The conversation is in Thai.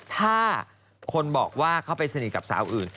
ถ้าคนบอกว่าเขาไปสนิทกับสาวอื่น